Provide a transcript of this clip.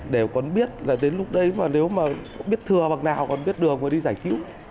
để còn biết là đến lúc đây mà nếu mà biết thừa bằng nào còn biết đường mới đi giải cứu